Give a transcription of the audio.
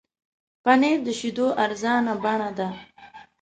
پنېر د شیدو ارزانه بڼه ده.